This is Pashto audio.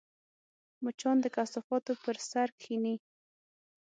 مچان د کثافاتو پر سر کښېني